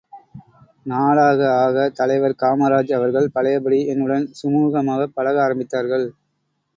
நாளாக ஆக, தலைவர் காமராஜ் அவர்கள் பழையபடி என்னுடன் சுமூகமாகப் பழக ஆரம்பித்தார்கள்.